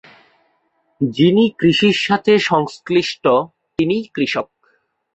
যিনি কৃষির সাথে সংশ্লিষ্ট তিনিই কৃষক।